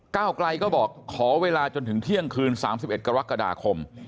เก้าไกลก็บอกขอเวลาจนถึงเที่ยงคืน๓๑กรกฎาคม